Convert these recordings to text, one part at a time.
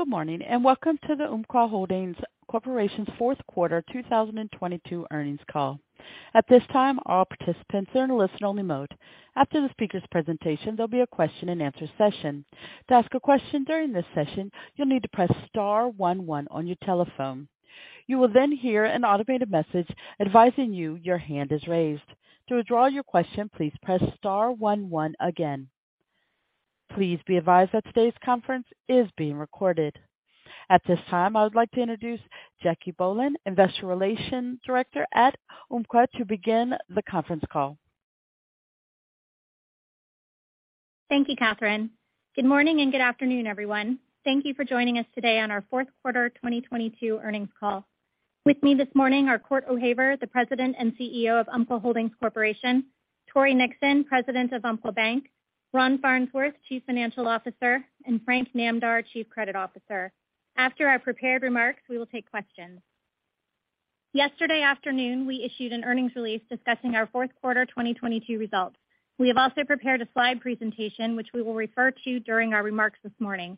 Good morning, welcome to the Umpqua Holdings Corporation's fourth quarter 2022 earnings call. At this time, all participants are in a listen-only mode. After the speaker's presentation, there'll be a question-and-answer session. To ask a question during this session, you'll need to press star one one on your telephone. You will hear an automated message advising you your hand is raised. To withdraw your question, please press star one one again. Please be advised that today's conference is being recorded. At this time, I would like to introduce Jacque Bohlen, Investor Relations Director at Umpqua, to begin the conference call. Thank you, Catherine. Good morning and good afternoon, everyone. Thank you for joining us today on our fourth quarter 2022 earnings call. With me this morning are Cort O'Haver, the President and CEO of Umpqua Holdings Corporation; Tory Nixon, President of Umpqua Bank; Ron Farnsworth, Chief Financial Officer; and Frank Namdar, Chief Credit Officer. After our prepared remarks, we will take questions. Yesterday afternoon, we issued an earnings release discussing our fourth quarter 2022 results. We have also prepared a slide presentation which we will refer to during our remarks this morning.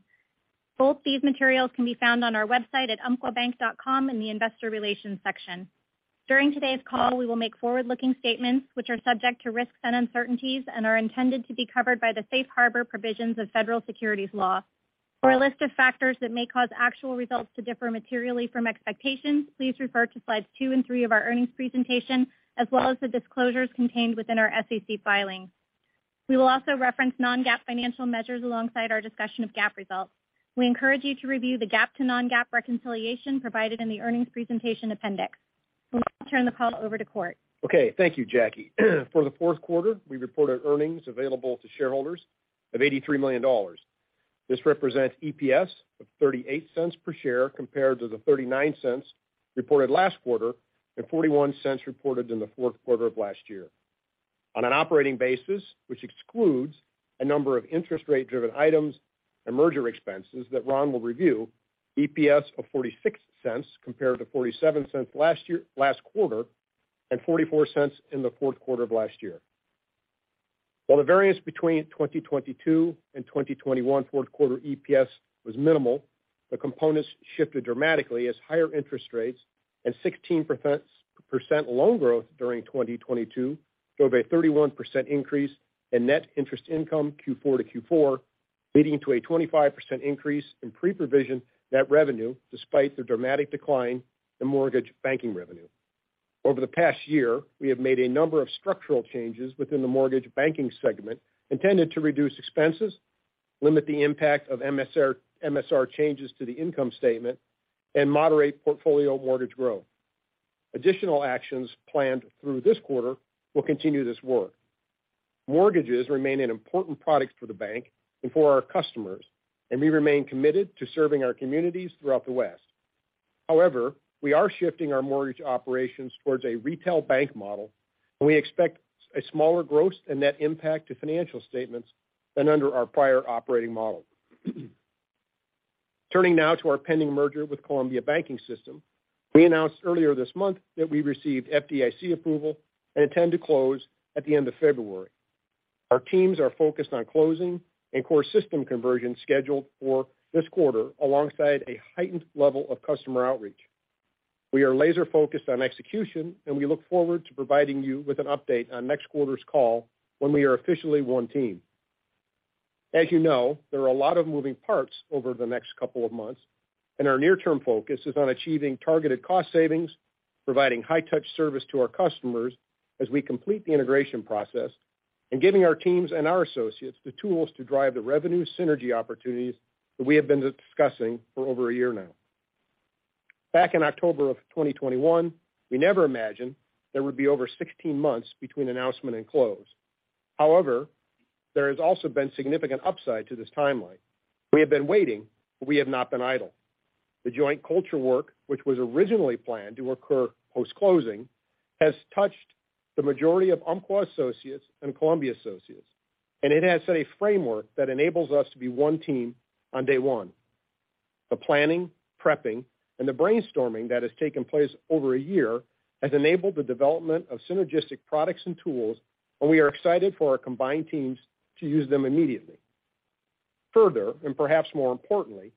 Both these materials can be found on our website at umpquabank.com in the Investor Relations section. During today's call, we will make forward-looking statements which are subject to risks and uncertainties and are intended to be covered by the safe harbor provisions of federal securities law. For a list of factors that may cause actual results to differ materially from expectations, please refer to slides two and three of our earnings presentation as well as the disclosures contained within our SEC filing. We will also reference non-GAAP financial measures alongside our discussion of GAAP results. We encourage you to review the GAAP to non-GAAP reconciliation provided in the earnings presentation appendix. We'll now turn the call over to Cort. Thank you, Jacque. For the fourth quarter, we reported earnings available to shareholders of $83 million. This represents EPS of $0.38 per share compared to the $0.39 reported last quarter and $0.41 reported in the fourth quarter of last year. On an operating basis, which excludes a number of interest rate-driven items and merger expenses that Ron will review, EPS of $0.46 compared to $0.47 last quarter and $0.44 in the fourth quarter of last year. While the variance between 2022 and 2021 fourth quarter EPS was minimal, the components shifted dramatically as higher interest rates and 16% loan growth during 2022 drove a 31% increase in net interest income Q4 to Q4, leading to a 25% increase in Pre-Provision Net Revenue despite the dramatic decline in mortgage banking revenue. Over the past year, we have made a number of structural changes within the mortgage banking segment intended to reduce expenses, limit the impact of MSR changes to the income statement and moderate portfolio mortgage growth. Additional actions planned through this quarter will continue this work. Mortgages remain an important product for the bank and for our customers. We remain committed to serving our communities throughout the West. However, we are shifting our mortgage operations towards a retail bank model. We expect a smaller gross and net impact to financial statements than under our prior operating model. Turning now to our pending merger with Columbia Banking System. We announced earlier this month that we received FDIC approval and intend to close at the end of February. Our teams are focused on closing and core system conversion scheduled for this quarter alongside a heightened level of customer outreach. We are laser-focused on execution, and we look forward to providing you with an update on next quarter's call when we are officially one team. As you know, there are a lot of moving parts over the next couple of months, and our near-term focus is on achieving targeted cost savings, providing high-touch service to our customers as we complete the integration process, and giving our teams and our associates the tools to drive the revenue synergy opportunities that we have been discussing for over a year now. Back in October of 2021, we never imagined there would be over 16 months between announcement and close. There has also been significant upside to this timeline. We have been waiting, but we have not been idle. The joint culture work, which was originally planned to occur post-closing, has touched the majority of Umpqua associates and Columbia associates, and it has set a framework that enables us to be one team on day one. The planning, prepping, and the brainstorming that has taken place over a year has enabled the development of synergistic products and tools, and we are excited for our combined teams to use them immediately. Further, and perhaps more importantly,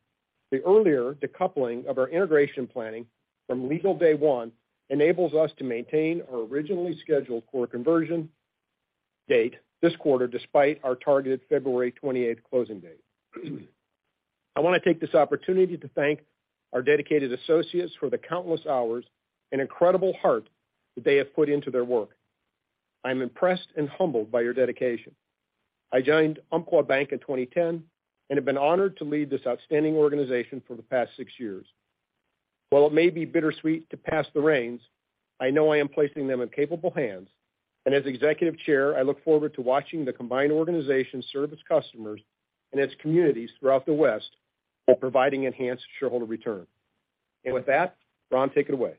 the earlier decoupling of our integration planning from legal day one enables us to maintain our originally scheduled core conversion date this quarter, despite our targeted February 28th closing date. I wanna take this opportunity to thank our dedicated associates for the countless hours and incredible heart that they have put into their work. I'm impressed and humbled by your dedication. I joined Umpqua Bank in 2010 and have been honored to lead this outstanding organization for the past six years. While it may be bittersweet to pass the reins, I know I am placing them in capable hands, and as executive chair, I look forward to watching the combined organization serve its customers and its communities throughout the West while providing enhanced shareholder return. With that, Ron, take it away.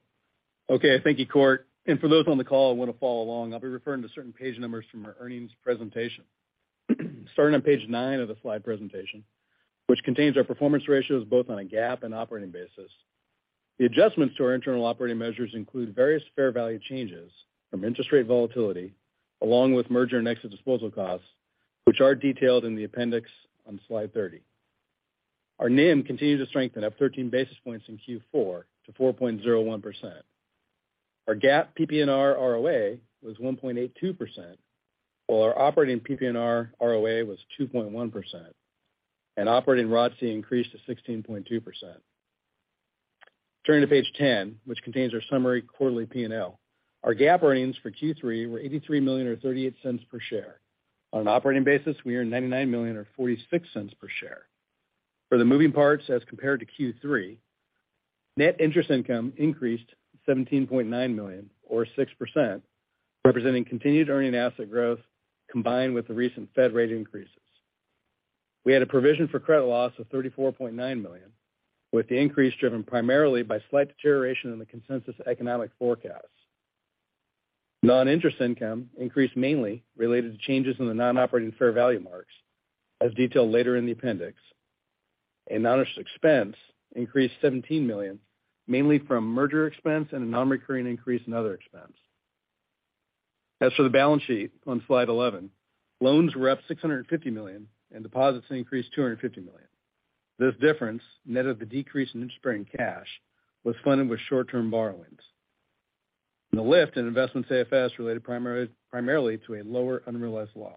Okay. Thank you, Cort. For those on the call who want to follow along, I'll be referring to certain page numbers from our earnings presentation. Starting on page nine of the slide presentation, which contains our performance ratios both on a GAAP and operating basis. The adjustments to our internal operating measures include various fair value changes from interest rate volatility, along with merger and exit disposal costs, which are detailed in the appendix on slide 30. Our NIM continued to strengthen up 13 basis points in Q4 to 4.01%. Our GAAP PPNR ROA was 1.82%, while our operating PPNR ROA was 2.1%, and operating ROTCE increased to 16.2%. Turning to page 10, which contains our summary quarterly P&L. Our GAAP earnings for Q3 were $83 million or $0.38 per share. On an operating basis, we earned $99 million or $0.46 per share. For the moving parts as compared to Q3, net interest income increased to $17.9 million or 6%, representing continued earning asset growth combined with the recent Fed rate increases. We had a provision for credit loss of $34.9 million, with the increase driven primarily by slight deterioration in the consensus economic forecast. Non-interest income increased mainly related to changes in the non-operating fair value marks, as detailed later in the appendix. Non-interest expense increased $17 million, mainly from merger expense and a non-recurring increase in other expense. As for the balance sheet on slide 11, loans were up $650 million, and deposits increased $250 million. This difference, net of the decrease in interest-bearing cash, was funded with short-term borrowings. The lift in investments AFS related primarily to a lower unrealized loss.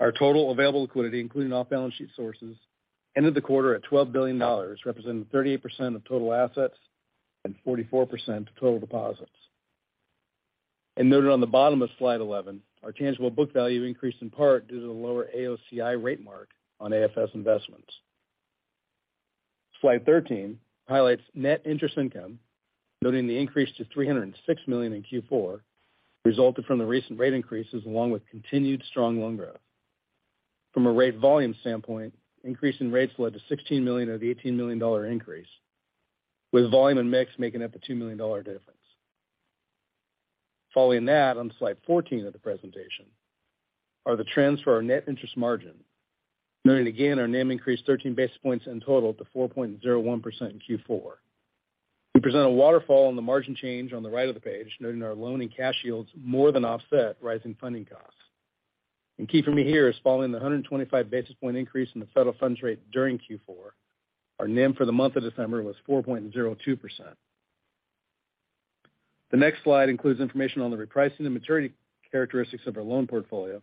Our total available liquidity, including off-balance sheet sources, ended the quarter at $12 billion, representing 38% of total assets and 44% of total deposits. Noted on the bottom of slide 11, our tangible book value increased in part due to the lower AOCI rate mark on AFS investments. Slide 13 highlights net interest income, noting the increase to $306 million in Q4 resulted from the recent rate increases along with continued strong loan growth. From a rate volume standpoint, increase in rates led to $16 million of the $18 million increase, with volume and mix making up the $2 million difference. Following that on slide 14 of the presentation are the trends for our net interest margin. Noting again our NIM increased 13 basis points in total to 4.01% in Q4. We present a waterfall on the margin change on the right of the page, noting our loan and cash yields more than offset rising funding costs. Key for me here is following the 125 basis point increase in the Federal funds rate during Q4, our NIM for the month of December was 4.02%. The next slide includes information on the repricing and maturity characteristics of our loan portfolio,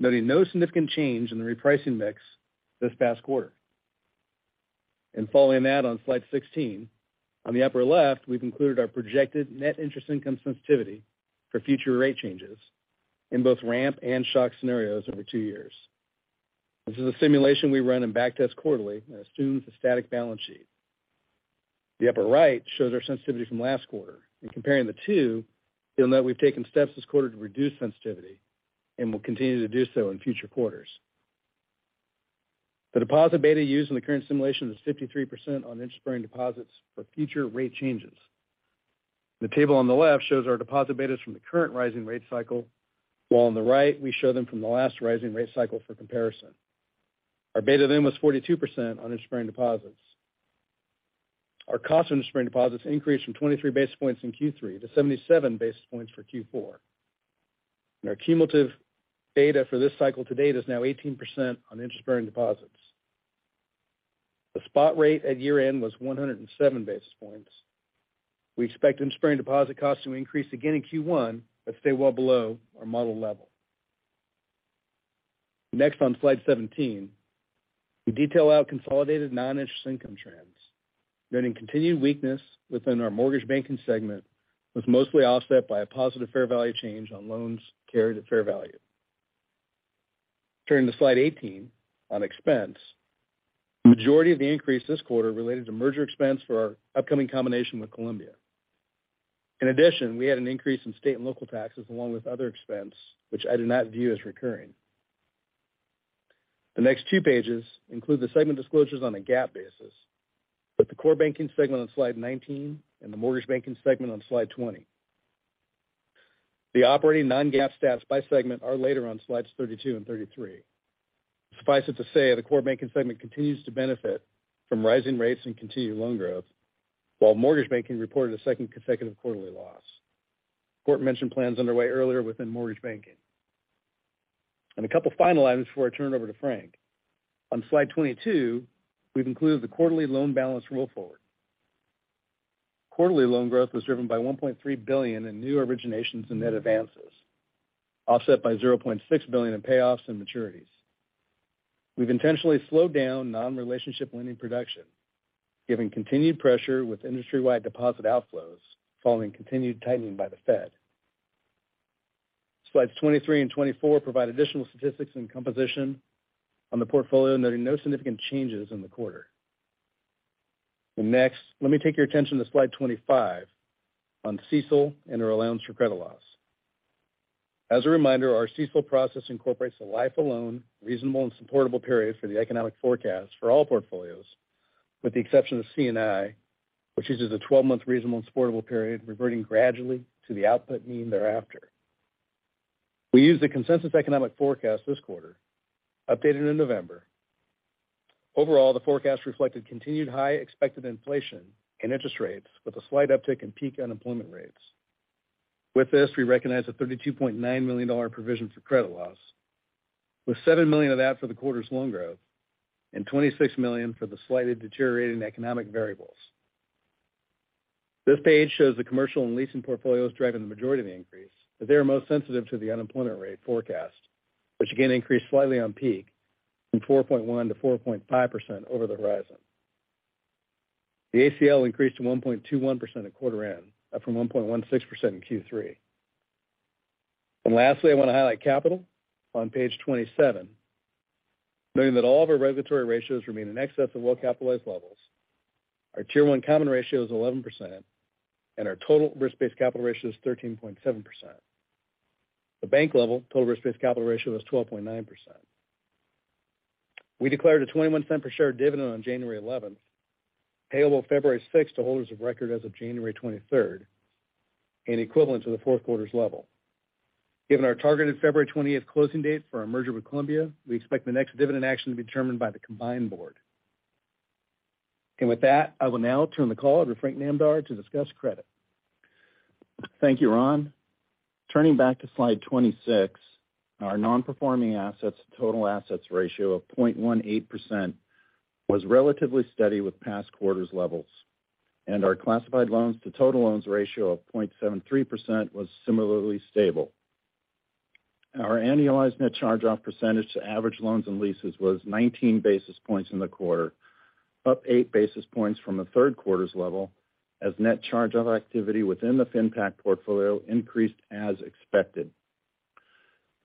noting no significant change in the repricing mix this past quarter. Following that on slide 16, on the upper left, we've included our projected net interest income sensitivity for future rate changes in both ramp and shock scenarios over 2 years. This is a simulation we run and back test quarterly and assumes a static balance sheet. The upper right shows our sensitivity from last quarter. In comparing the two, you'll note we've taken steps this quarter to reduce sensitivity and will continue to do so in future quarters. The deposit beta used in the current simulation is 53% on interest-bearing deposits for future rate changes. The table on the left shows our deposit betas from the current rising rate cycle, while on the right, we show them from the last rising rate cycle for comparison. Our beta then was 42% on interest-bearing deposits. Our cost on interest-bearing deposits increased from 23 basis points in Q3 to 77 basis points for Q4. Our cumulative beta for this cycle to date is now 18% on interest-bearing deposits. The spot rate at year-end was 107 basis points. We expect interest-bearing deposit costs to increase again in Q1 but stay well below our model level. Next on slide 17, we detail out consolidated non-interest income trends. Noting continued weakness within our mortgage banking segment was mostly offset by a positive fair value change on loans carried at fair value. Turning to slide 18 on expense. The majority of the increase this quarter related to merger expense for our upcoming combination with Columbia. In addition, we had an increase in state and local taxes along with other expense, which I do not view as recurring. The next two pages include the segment disclosures on a GAAP basis, with the core banking segment on slide 19 and the mortgage banking segment on slide 20. The operating non-GAAP stats by segment are later on slides 32 and 33. Suffice it to say, the core banking segment continues to benefit from rising rates and continued loan growth, while mortgage banking reported a second consecutive quarterly loss. Cort mentioned plans underway earlier within mortgage banking. A couple final items before I turn it over to Frank. On slide 22, we've included the quarterly loan balance roll forward. Quarterly loan growth was driven by $1.3 billion in new originations and net advances, offset by $0.6 billion in payoffs and maturities. We've intentionally slowed down non-relationship lending production, given continued pressure with industry-wide deposit outflows following continued tightening by the Fed. Slides 23 and 24 provide additional statistics and composition on the portfolio, noting no significant changes in the quarter. Next, let me take your attention to slide 25 on CECL and our allowance for credit loss. As a reminder, our CECL process incorporates a life of loan, reasonable and supportable period for the economic forecast for all portfolios, with the exception of C&I, which uses a 12-month reasonable and supportable period, reverting gradually to the output mean thereafter. We use the consensus economic forecast this quarter, updated in November. Overall, the forecast reflected continued high expected inflation and interest rates with a slight uptick in peak unemployment rates. With this, we recognize a $34.9 million provision for credit loss, with $7 million of that for the quarter's loan growth and $26 million for the slightly deteriorating economic variables. This page shows the commercial and leasing portfolios driving the majority of the increase, but they are most sensitive to the unemployment rate forecast, which again increased slightly on peak from 4.1%-4.5% over the horizon. The ACL increased to 1.21% at quarter end, up from 1.16% in Q3. Lastly, I want to highlight capital on page 27, noting that all of our regulatory ratios remain in excess of well-capitalized levels. Our Tier I common ratio is 11%, and our total risk-based capital ratio is 13.7%. The bank level total risk-based capital ratio is 12.9%. We declared a $0.21 per share dividend on January 11th, payable February 6th to holders of record as of January 23rd and equivalent to the fourth quarter's level. Given our targeted February 20th closing date for our merger with Columbia, we expect the next dividend action to be determined by the combined board. With that, I will now turn the call over to Frank Namdar to discuss credit. Thank you, Ron. Turning back to slide 26, our non-performing assets total assets ratio of 0.18% was relatively steady with past quarters levels, and our classified loans to total loans ratio of 0.73% was similarly stable. Our annualized net charge-off percentage to average loans and leases was 19 basis points in the quarter, up 8 basis points from the third quarter's level as net charge-off activity within the FinPac portfolio increased as expected.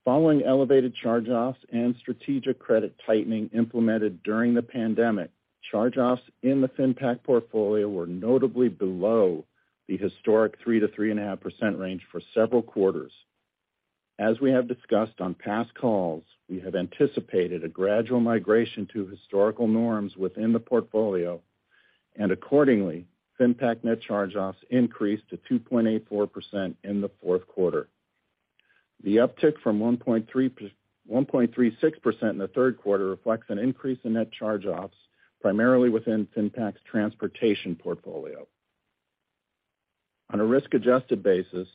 Following elevated charge-offs and strategic credit tightening implemented during the pandemic, charge-offs in the FinPac portfolio were notably below the historic 3%-3.5% range for several quarters. As we have discussed on past calls, we had anticipated a gradual migration to historical norms within the portfolio, accordingly, FinPac net charge-offs increased to 2.84% in the fourth quarter. The uptick from 1.36% in the third quarter reflects an increase in net charge-offs primarily within FinPac's transportation portfolio. On a risk-adjusted basis,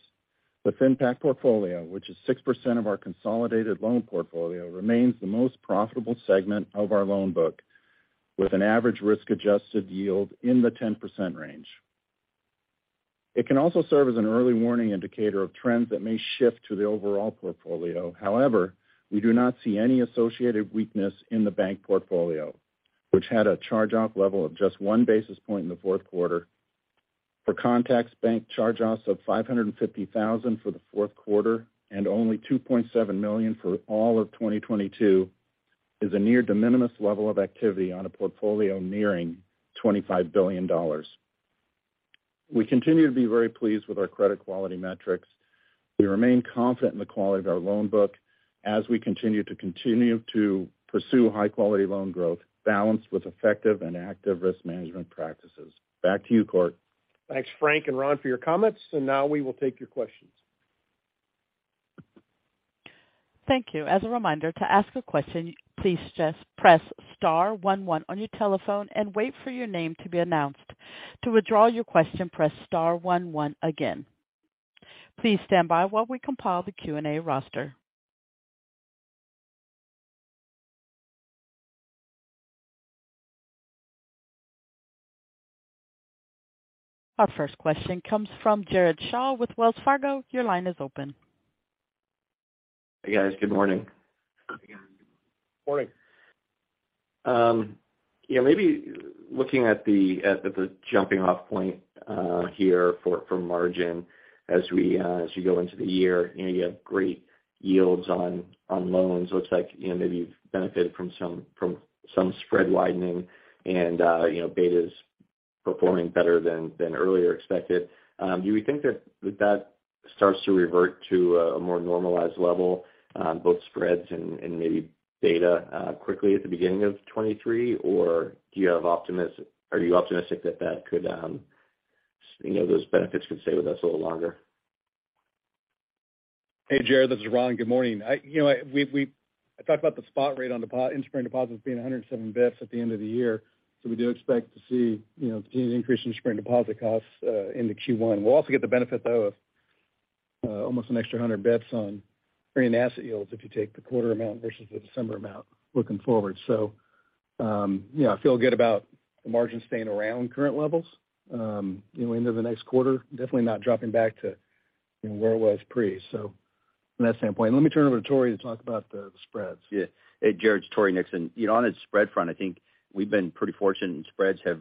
the FinPac portfolio, which is 6% of our consolidated loan portfolio, remains the most profitable segment of our loan book with an average risk-adjusted yield in the 10% range. It can also serve as an early warning indicator of trends that may shift to the overall portfolio. However, we do not see any associated weakness in the bank portfolio, which had a charge-off level of just 1 basis point in the fourth quarter. For context, bank charge-offs of $550,000 for the fourth quarter and only $2.7 million for all of 2022 is a near de minimis level of activity on a portfolio nearing $25 billion. We continue to be very pleased with our credit quality metrics. We remain confident in the quality of our loan book as we continue to pursue high-quality loan growth balanced with effective and active risk management practices. Back to you, Cort. Thanks, Frank and Ron, for your comments. Now we will take your questions. Thank you. As a reminder, to ask a question, please just press star one one on your telephone and wait for your name to be announced. To withdraw your question, press star one one again. Please stand by while we compile the Q&A roster. Our first question comes from Jared Shaw with Wells Fargo. Your line is open. Hey, guys. Good morning. Morning. Yeah, maybe looking at the, at the jumping off point here for margin as we go into the year. You know, you have great yields on loans. Looks like, you know, maybe you've benefited from some, from some spread widening and, you know, beta's performing better than earlier expected. Do we think that starts to revert to a more normalized level on both spreads and maybe beta quickly at the beginning of 2023? Or are you optimistic that that could, you know, those benefits could stay with us a little longer? Hey, Jared, this is Ron. Good morning. You know, we talked about the spot rate on in spring deposits being 107 basis points at the end of the year. We do expect to see, you know, continued increase in spring deposit costs into Q1. We'll also get the benefit, though, of almost an extra 100 basis points on earning asset yields if you take the quarter amount versus the December amount looking forward. You know, I feel good about the margin staying around current levels, you know, into the next quarter. Definitely not dropping back to, you know, where it was pre. From that standpoint. Let me turn it over to Tory to talk about the spreads. Yeah. Hey, Jared, it's Tory Nixon. You know, on a spread front, I think we've been pretty fortunate and spreads have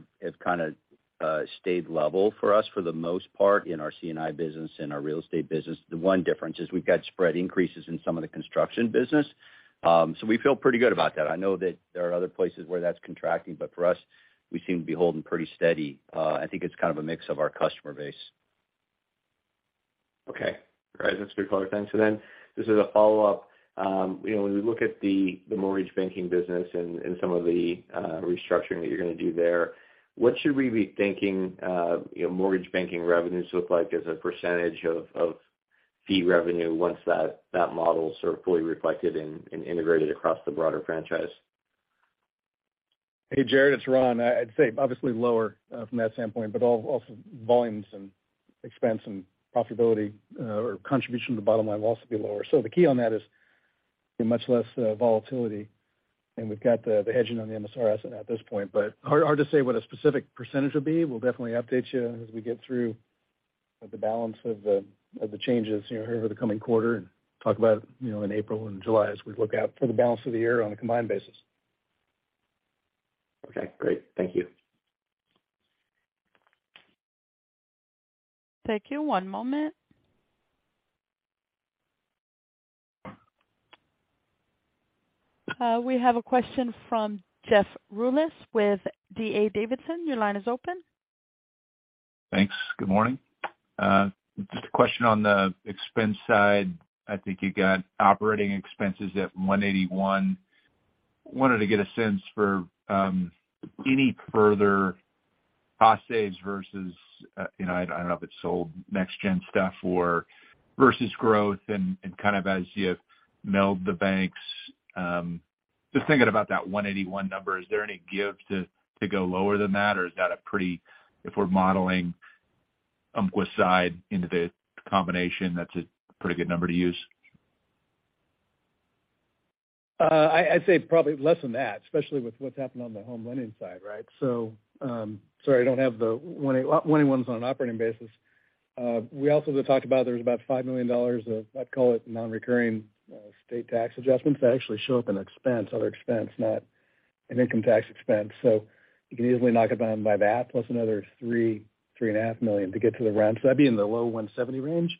kinda stayed level for us for the most part in our C&I business and our real estate business. The one difference is we've got spread increases in some of the construction business. We feel pretty good about that. I know that there are other places where that's contracting, but for us, we seem to be holding pretty steady. I think it's kind of a mix of our customer base. Okay. All right. That's clear. Thanks. Just as a follow-up. You know, when we look at the mortgage banking business and some of the restructuring that you're gonna do there, what should we be thinking, you know, mortgage banking revenues look like as a percentage of fee revenue once that model's sort of fully reflected and integrated across the broader franchise? Hey, Jared, it's Ron. I'd say obviously lower from that standpoint, but also volumes and expense and profitability, or contribution to the bottom line will also be lower. The key on that is much less volatility, and we've got the hedging on the MSRS at this point. Hard to say what a specific percentage will be. We'll definitely update you as we get through the balance of the changes, you know, over the coming quarter and talk about, you know, in April and July as we look out for the balance of the year on a combined basis. Okay, great. Thank you. Thank you. One moment. We have a question from Jeff Rulis with D.A. Davidson. Your line is open. Thanks. Good morning. Just a question on the expense side. I think you got operating expenses at $181 million. Wanted to get a sense for any further cost saves versus, you know, I don't know if it's sold next-gen stuff or versus growth and kind of as you meld the banks, just thinking about that $181 million, is there any give to go lower than that? Or is that if we're modeling Umpqua side into the combination, that's a pretty good number to use? I'd say probably less than that, especially with what's happened on the home lending side, right. Sorry, I don't have the $181 million's on an operating basis. We also have talked about there's about $5 million of, I'd call it, non-recurring state tax adjustments that actually show up in expense, other expense, not an income tax expense. You can easily knock it down by that, plus another $3.5 million to get to the round. That'd be in the low $170 million range.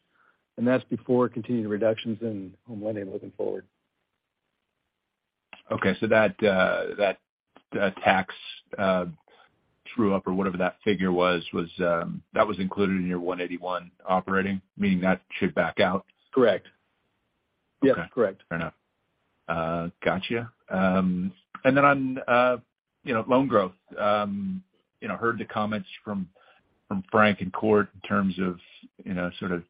That's before continued reductions in home lending looking forward. Okay. That tax, true up or whatever that figure was that was included in your $181 million operating, meaning that should back out? Correct. Okay. Yes, correct. Fair enough. Gotcha. Then on, you know, loan growth, you know, heard the comments from Frank and Cort in terms of, you know, sort of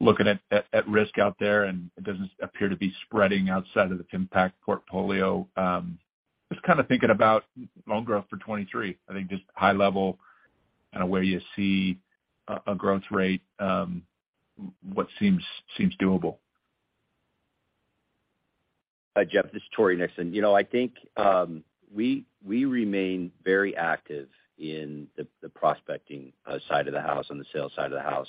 looking at risk out there, and it doesn't appear to be spreading outside of the impact portfolio. Just kind of thinking about loan growth for 2023. I think just high level kind of where you see a growth rate, what seems doable. Hi, Jeff, this is Tory Nixon. You know, I think we remain very active in the prospecting side of the house and the sales side of the house.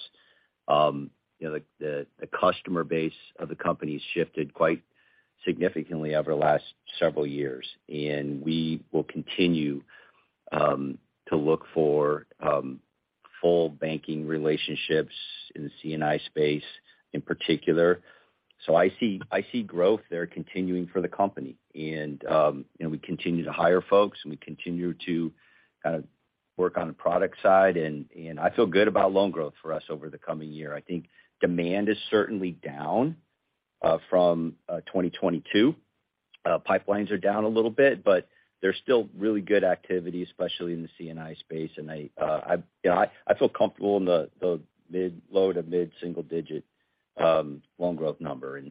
You know, the customer base of the company has shifted quite significantly over the last several years, and we will continue to look for full banking relationships in the C&I space in particular. I see growth there continuing for the company and we continue to hire folks, and we continue to work on the product side and I feel good about loan growth for us over the coming year. I think demand is certainly down from 2022. Pipelines are down a little bit, but there's still really good activity, especially in the C&I space. I, you know, I feel comfortable in the mid, low to mid-single digit loan growth number.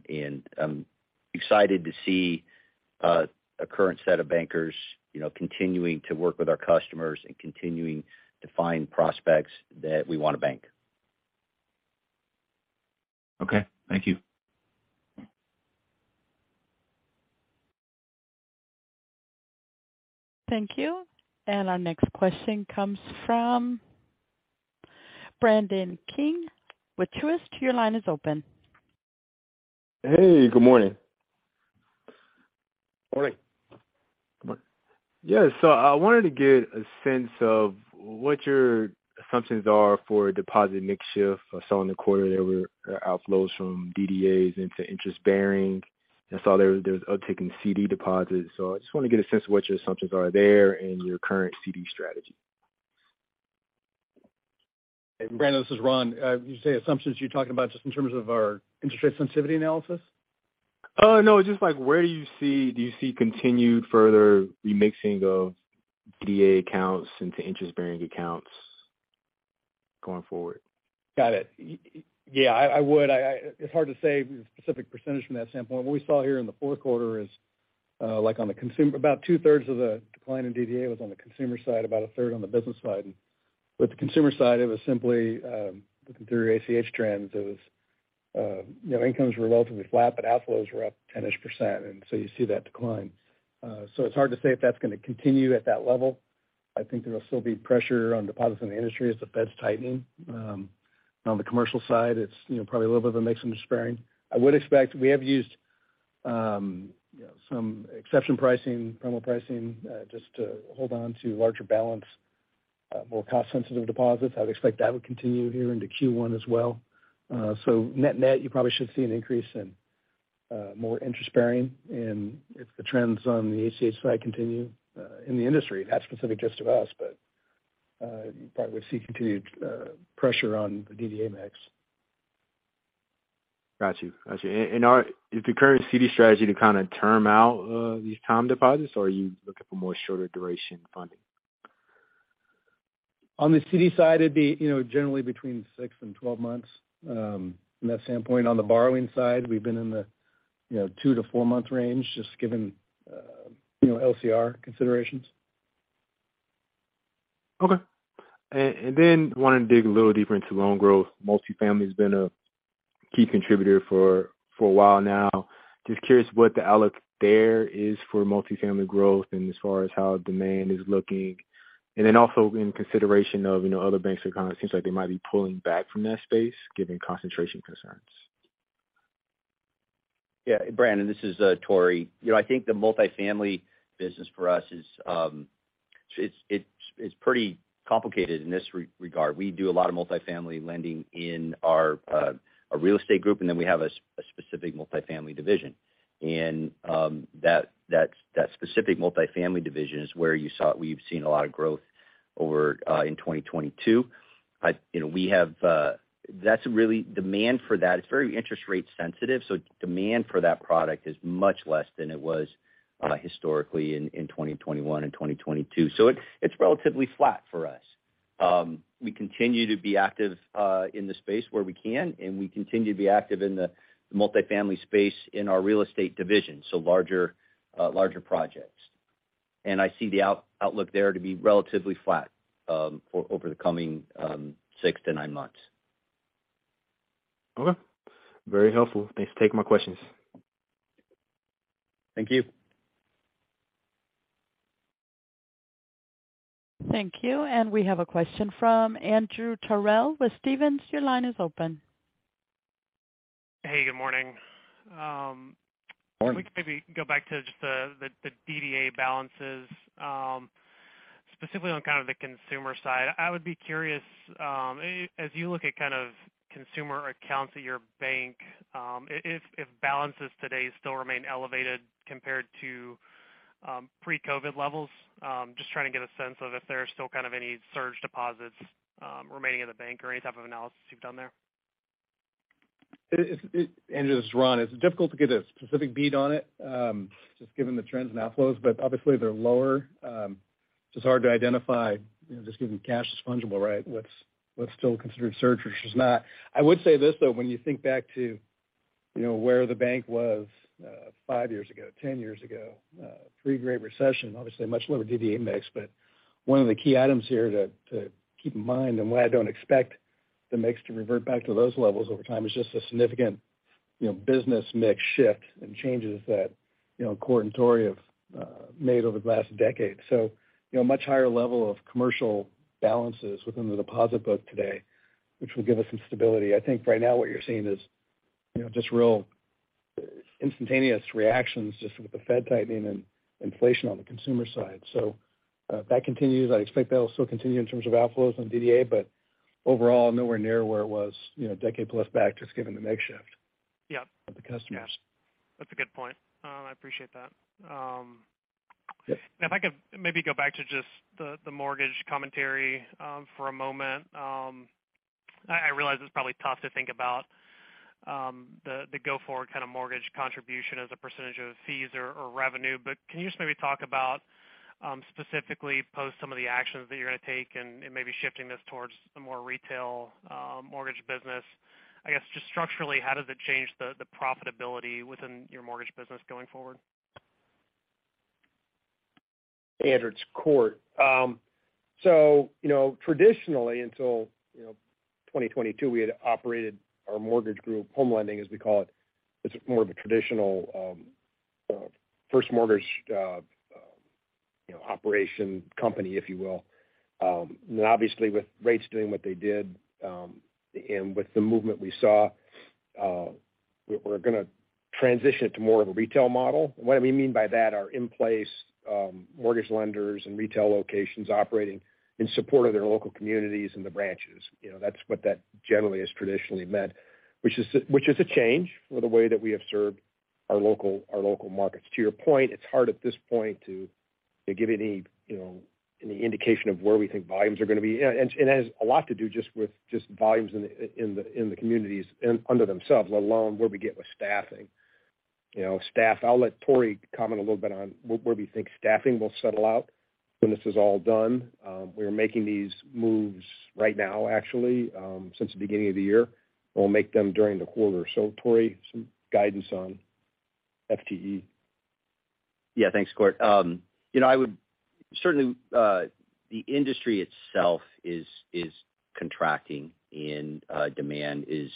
I'm excited to see a current set of bankers, you know, continuing to work with our customers and continuing to find prospects that we wanna bank. Okay. Thank you. Thank you. Our next question comes from Brandon King with Truist. Your line is open. Hey, good morning. Morning. Good morning. Yeah. I wanted to get a sense of what your assumptions are for deposit mix shift. I saw in the quarter there were outflows from DDAs into interest-bearing. I saw there was uptaking CD deposits. I just want to get a sense of what your assumptions are there and your current CD strategy. Hey, Brandon, this is Ron. You say assumptions, you're talking about just in terms of our interest rate sensitivity analysis? No, just like where you do you see continued further remixing of DDA accounts into interest-bearing accounts going forward? Got it. Yeah, I would. It's hard to say a specific percentage from that standpoint. What we saw here in the fourth quarter is like on the about two-thirds of the decline in DDA was on the consumer side, about a third on the business side. With the consumer side, it was simply looking through your ACH trends, it was, you know, incomes were relatively flat, but outflows were up 10-ish%. You see that decline. It's hard to say if that's gonna continue at that level. I think there will still be pressure on deposits in the industry as the Fed's tightening. On the commercial side, it's, you know, probably a little bit of a mix of spending. I would expect we have used, you know, some exception pricing, promo pricing, just to hold on to larger balance, more cost-sensitive deposits. I would expect that would continue here into Q1 as well. net-net, you probably should see an increase in more interest bearing and if the trends on the ACH side continue, in the industry, not specific just to us, but you probably see continued pressure on the DDA mix. Got you. Is the current CD strategy to kind of term out, these term deposits? Are you looking for more shorter duration funding? On the CD side, it'd be, you know, generally between 6 and 12 months, from that standpoint. On the borrowing side, we've been in the, you know, 2 to 4-month range, just given, you know, LCR considerations. Okay. Then wanted to dig a little deeper into loan growth. Multifamily's been a key contributor for a while now. Just curious what the outlook there is for multifamily growth and as far as how demand is looking. Then also in consideration of, you know, other banks, it kinda seems like they might be pulling back from that space given concentration concerns. Yeah, Brandon, this is Tory. You know, I think the multifamily business for us is, it's pretty complicated in this regard. We do a lot of multifamily lending in our real estate group, and then we have a specific multifamily division. That specific multifamily division is where we've seen a lot of growth over in 2022. You know, we have. That's really demand for that. It's very interest rate sensitive, demand for that product is much less than it was historically in 2021 and 2022. It's relatively flat for us. We continue to be active in the space where we can, and we continue to be active in the multifamily space in our real estate division, larger projects. I see the outlook there to be relatively flat for over the coming 6 to 9 months. Okay. Very helpful. Thanks for taking my questions. Thank you. Thank you. We have a question from Andrew Terrell with Stephens. Your line is open. Hey, good morning. Morning. If we could maybe go back to just the DDA balances, specifically on kind of the consumer side. I would be curious, as you look at kind of consumer accounts at your bank, if balances today still remain elevated compared to pre-COVID levels. Just trying to get a sense of if there are still kind of any surge deposits, remaining in the bank or any type of analysis you've done there. Andrew, this is Ron. It's difficult to get a specific bead on it, just given the trends and outflows, obviously they're lower. Just hard to identify, you know, just given cash is fungible, right? What's still considered surge versus not. I would say this, though. When you think back to, you know, where the bank was, 5 years ago, 10 years ago, pre-Great Recession, obviously a much lower DDA mix. One of the key items here to keep in mind, and why I don't expect the mix to revert back to those levels over time is just a significant, you know, business mix shift and changes that, you know, Cort and Tory have made over the last decade. You know, much higher level of commercial balances within the deposit book today, which will give us some stability. I think right now what you're seeing is, you know, just real instantaneous reactions just with the Fed tightening and inflation on the consumer side. That continues. I expect that'll still continue in terms of outflows on DDA, but overall nowhere near where it was, you know, a decade plus back, just given the mix shift. Yeah. -of the customers. That's a good point. I appreciate that. Yeah. If I could maybe go back to just the mortgage commentary for a moment. I realize it's probably tough to think about the go forward kind of mortgage contribution as a percentage of fees or revenue. Can you just maybe talk about specifically post some of the actions that you're gonna take and maybe shifting this towards a more retail mortgage business? I guess just structurally, how does it change the profitability within your mortgage business going forward? Andrew, it's Cort. You know, traditionally until, you know, 2022, we had operated our mortgage group, home lending as we call it's more of a traditional, first mortgage, you know, operation company if you will. Obviously with rates doing what they did, and with the movement we saw, we're gonna transition it to more of a retail model. What I mean by that are in place mortgage lenders and retail locations operating in support of their local communities and the branches. You know, that's what that generally has traditionally meant. Which is a change for the way that we have served our local markets. To your point, it's hard at this point to give any, you know, indication of where we think volumes are gonna be. It has a lot to do just with just volumes in the communities in and of themselves, let alone where we get with staffing. You know, I'll let Tory comment a little bit on where we think staffing will settle out when this is all done. We're making these moves right now actually, since the beginning of the year. We'll make them during the quarter. Tory, some guidance on FTE. Thanks, Cort. you know, Certainly, the industry itself is contracting and demand is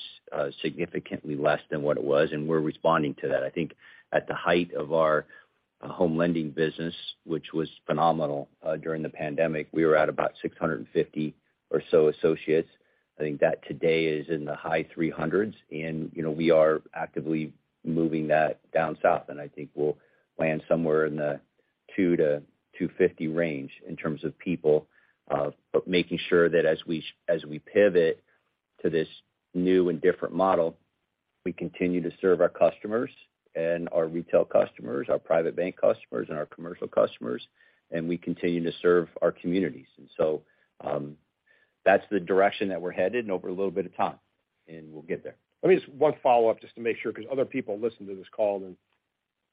significantly less than what it was, and we're responding to that. I think at the height of our home lending business, which was phenomenal, during the pandemic, we were at about 650 or so associates. I think that today is in the high 300s. you know, we are actively moving that down south. I think we'll land somewhere in the 200-250 range in terms of people. Making sure that as we pivot to this new and different model we continue to serve our customers and our retail customers, our private bank customers, and our commercial customers, and we continue to serve our communities. That's the direction that we're headed and over a little bit of time, and we'll get there. Let me just one follow-up just to make sure, because other people listen to this call and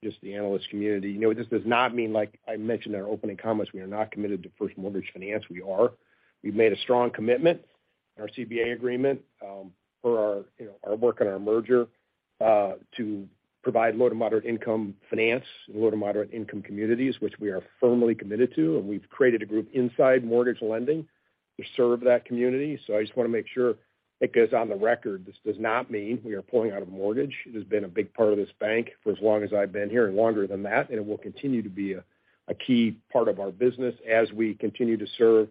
just the analyst community. You know, this does not mean, like I mentioned in our opening comments, we are not committed to first mortgage finance. We are. We've made a strong commitment in our CBA agreement, for our, you know, our work and our merger, to provide low to moderate income finance in low to moderate income communities, which we are firmly committed to. We've created a group inside mortgage lending to serve that community. I just wanna make sure it goes on the record. This does not mean we are pulling out of mortgage. It has been a big part of this bank for as long as I've been here and longer than that. It will continue to be a key part of our business as we continue to serve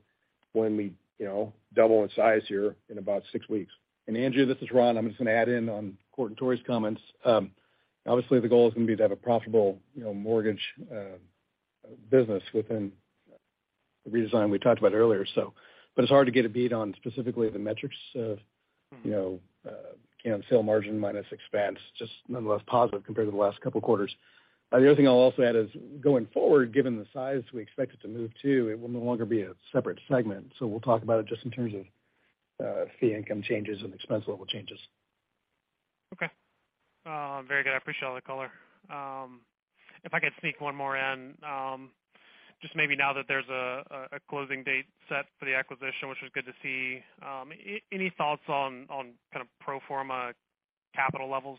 when we, you know, double in size here in about six weeks. Andrew, this is Ron. I'm just gonna add in on Tory's comments. Obviously the goal is gonna be to have a profitable, you know, mortgage business within the redesign we talked about earlier so. It's hard to get a beat on specifically the metrics of, you know, sale margin minus expense, just nonetheless positive compared to the last couple quarters. The other thing I'll also add is going forward, given the size we expect it to move to, it will no longer be a separate segment. We'll talk about it just in terms of fee income changes and expense level changes. Okay. Very good. I appreciate all the color. If I could sneak one more in. Just maybe now that there's a closing date set for the acquisition, which was good to see, any thoughts on kind of pro forma capital levels,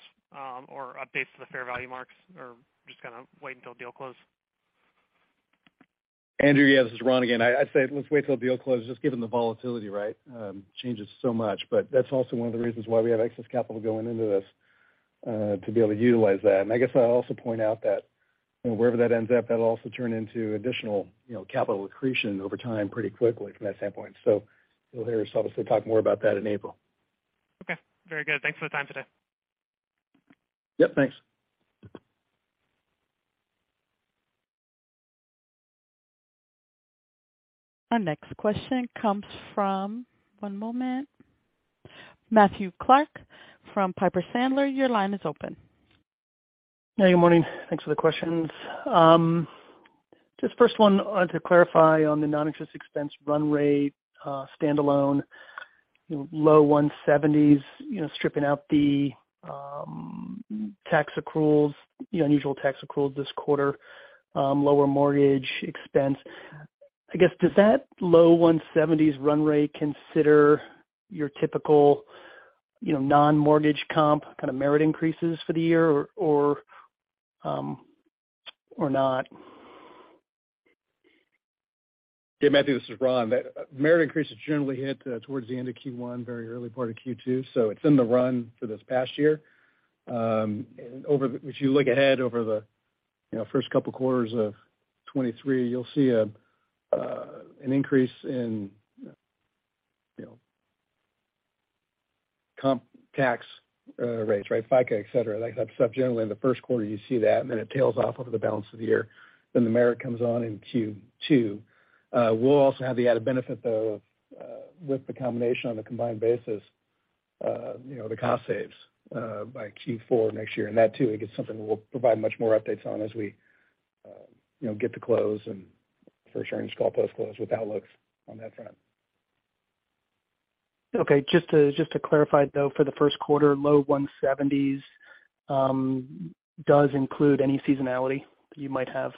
or updates to the fair value marks, or just kind of wait until deal close? Andrew, yeah, this is Ron again. I'd say let's wait till deal close just given the volatility, right? changes so much, but that's also one of the reasons why we have excess capital going into this to be able to utilize that. I guess I'd also point out that, you know, wherever that ends up, that'll also turn into additional, you know, capital accretion over time pretty quickly from that standpoint. You'll hear us obviously talk more about that in April. Okay, very good. Thanks for the time today. Yep, thanks. Our next question comes from, one moment, Matthew Clark from Piper Sandler. Your line is open. Good morning. Thanks for the questions. Just first one, to clarify on the non-interest expense run rate, standalone low $170s, you know, stripping out the tax accruals, the unusual tax accruals this quarter, lower mortgage expense. I guess, does that low $170s run rate consider your typical, you know, non-mortgage comp kind of merit increases for the year or not? Yeah, Matthew Clark, this is Ron Farnsworth. That merit increases generally hit towards the end of Q1, very early part of Q2. It's in the run for this past year. If you look ahead over the, you know, first couple quarters of 2023, you'll see an increase in, you know, comp tax rates, right, FICA, et cetera, like that stuff. Generally in the first quarter you see that, and then it tails off over the balance of the year. The merit comes on in Q2. We'll also have the added benefit, though, of with the combination on a combined basis, you know, the cost saves by Q4 next year. That too is something we'll provide much more updates on as we, you know, get to close and for sure in the call post-close with outlooks on that front. Okay. Just to clarify though, for the first quarter, low 170s, does include any seasonality that you might have?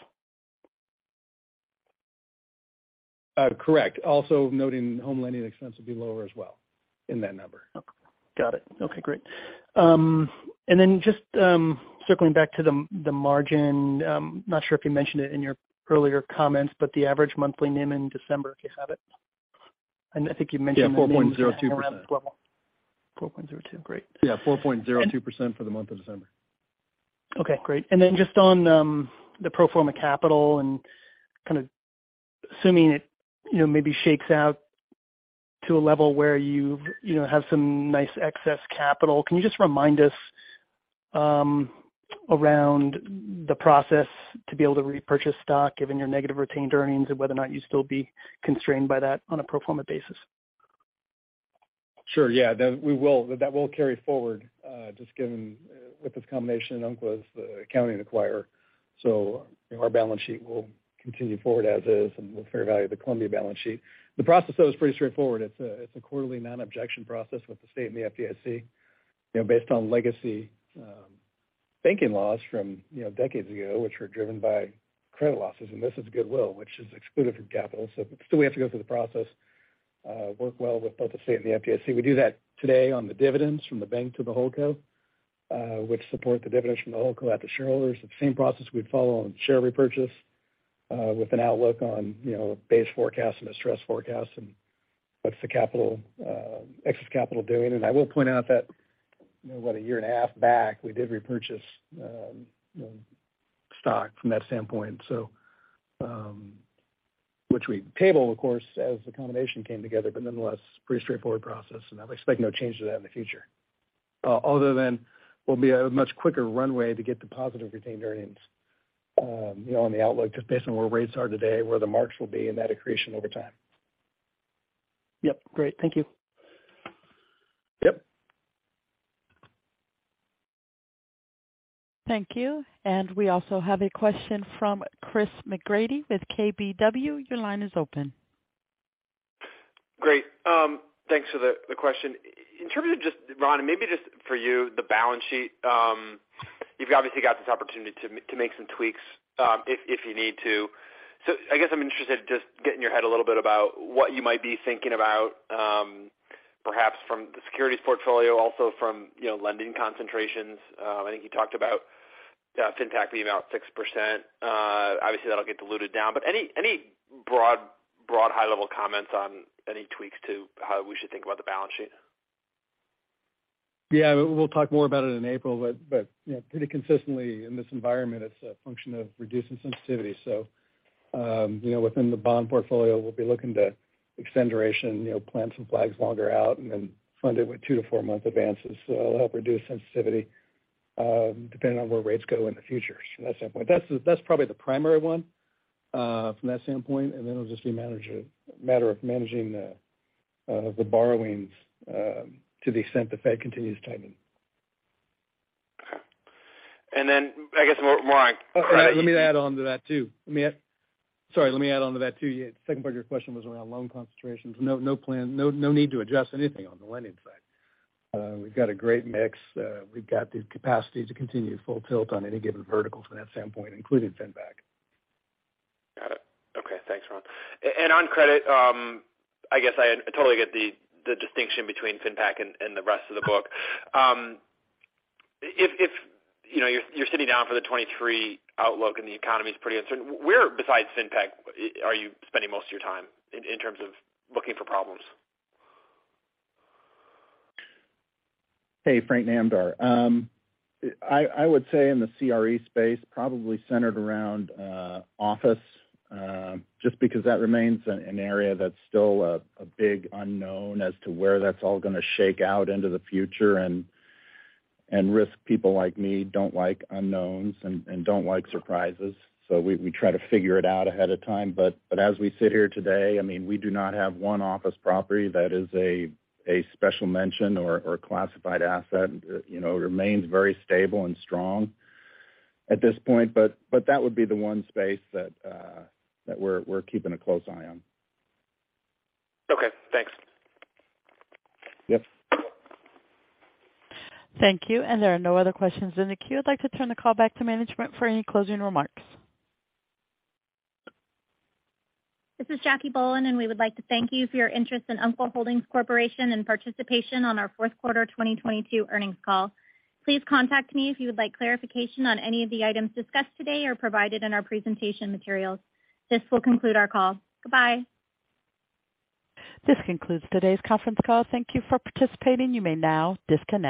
Correct. Also noting home lending expense will be lower as well in that number. Okay. Got it. Okay, great. Just circling back to the margin, not sure if you mentioned it in your earlier comments, but the average monthly NIM in December, if you have it. Yeah, 4.02%. Around 4.02. Great. Yeah, 4.02% for the month of December. Okay, great. Then just on the pro forma capital and kind of assuming it, you know, maybe shakes out to a level where you've, you know, have some nice excess capital. Can you just remind us around the process to be able to repurchase stock given your negative retained earnings and whether or not you'll still be constrained by that on a pro forma basis? Sure, yeah. That will. That will carry forward, just given this combination includes the accounting acquirer. Our balance sheet will continue forward as is and we'll fair value the Columbia balance sheet. The process, though, is pretty straightforward. It's a, it's a quarterly non-objection process with the state and the FDIC, you know, based on legacy banking laws from, you know, decades ago, which are driven by credit losses, and this is goodwill which is excluded from capital. Still we have to go through the process, work well with both the state and the FDIC. We do that today on the dividends from the bank to the hold co, which support the dividends from the hold co out to shareholders. The same process we'd follow on share repurchase, with an outlook on, you know, base forecast and a stress forecast and what's the capital, excess capital doing. I will point out that, you know, about a year and a half back, we did repurchase, you know, stock from that standpoint. Which we tabled of course as the combination came together, but nonetheless pretty straightforward process and I expect no change to that in the future. Other than will be a much quicker runway to get to positive retained earnings, you know, on the outlook just based on where rates are today, where the marks will be, and that accretion over time. Yep. Great. Thank you. Yep. Thank you. We also have a question from Chris McGratty with KBW. Your line is open. Great. Thanks for the question. In terms of just, Ron, and maybe just for you, the balance sheet, you've obviously got this opportunity to make some tweaks, if you need to. I guess I'm interested to just get in your head a little bit about what you might be thinking about, perhaps from the securities portfolio, also from, you know, lending concentrations. I think you talked about FinPac being about 6%. Obviously that'll get diluted down. Any broad high level comments on any tweaks to how we should think about the balance sheet? Yeah. We'll talk more about it in April, but, you know, pretty consistently in this environment, it's a function of reducing sensitivity. you know, within the bond portfolio, we'll be looking to extend duration, you know, plant some flags longer out, and then fund it with 2 to 4-month advances. That'll help reduce sensitivity, depending on where rates go in the future from that standpoint. That's probably the primary one from that standpoint. Then it'll just be a matter of managing the borrowings to the extent the Fed continues tightening. I guess more on credit. Let me add on to that too. Sorry, let me add on to that too. Second part of your question was around loan concentrations. No plan, no need to adjust anything on the lending side. We've got a great mix. We've got the capacity to continue full tilt on any given vertical from that standpoint, including FinPac. Got it. Okay, thanks, Ron. On credit, I guess I totally get the distinction between FinPac and the rest of the book. If, if you know, you're sitting down for the 23 outlook and the economy's pretty uncertain, where besides FinPac are you spending most of your time in terms of looking for problems? Hey, Frank Namdar. I would say in the CRE space, probably centered around office, just because that remains an area that's still a big unknown as to where that's all gonna shake out into the future. Risk people like me don't like unknowns and don't like surprises, so we try to figure it out ahead of time. As we sit here today, I mean, we do not have 1 office property that is a special mention or a classified asset. You know, it remains very stable and strong at this point, but that would be the 1 space that we're keeping a close eye on. Okay, thanks. Yep. Thank you. There are no other questions in the queue. I'd like to turn the call back to management for any closing remarks. This is Jacque Bohlen, and we would like to thank you for your interest in Umpqua Holdings Corporation and participation on our fourth quarter 2022 earnings call. Please contact me if you would like clarification on any of the items discussed today or provided in our presentation materials. This will conclude our call. Goodbye. This concludes today's conference call. Thank you for participating. You may now disconnect.